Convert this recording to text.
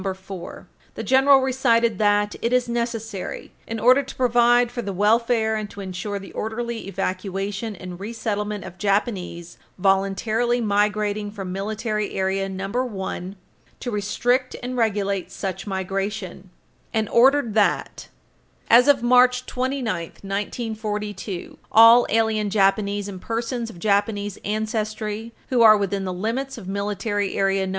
4, [Footnote 2/4] the General recited that "it is necessary, in order to provide for the welfare and to insure the orderly evacuation and resettlement of Japanese voluntarily migrating from Military Area No. 1, to restrict and regulate such migration, and ordered that, as of March 29, 1942," "all alien Japanese and persons of Japanese ancestry who are within the limits of Military Area No.